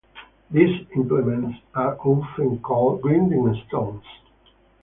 These implements are often called grinding stones.